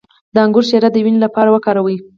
د انګور شیره د وینې لپاره وکاروئ